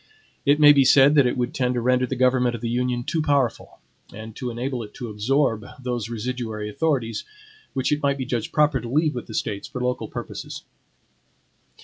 It may be said that it would tend to render the government of the Union too powerful, and to enable it to absorb those residuary authorities, which it might be judged proper to leave with the States for local purposes.